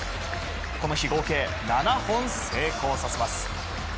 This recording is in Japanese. この日、合計７本成功させます。